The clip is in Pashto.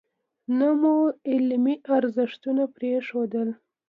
نه مو علمي ارزښتونه پرېښودل.